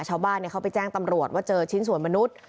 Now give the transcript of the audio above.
ชาวบ้านเขาไปแจ้งตำรวจว่าเจอชิ้นส่วนมนุษย์